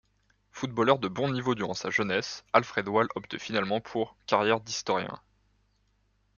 Footballeur de bon niveau durant sa jeunesse, Alfred Wahl opte finalement pour carrière d'historien.